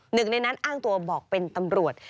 หนึ่งในนั้นอ้างตัวบอกเป็นตำรวจ